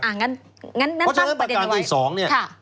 เพราะฉะนั้นประการที่สอง